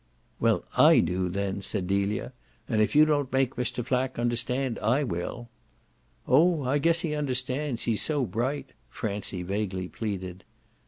"Well, I do then," said Delia. "And if you don't make Mr. Flack understand I will." "Oh I guess he understands he's so bright," Francie vaguely pleaded.